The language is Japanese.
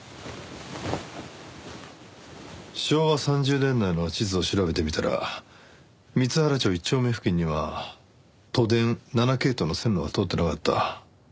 昭和３０年代の地図を調べてみたら光原町１丁目付近には都電７系統の線路は通ってなかった。